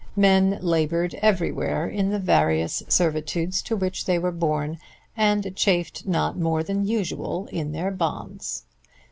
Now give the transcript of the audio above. Men labored everywhere in the various servitudes to which they were born, and chafed not more than usual in their bonds.